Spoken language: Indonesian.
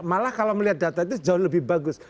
malah kalau melihat data itu jauh lebih bagus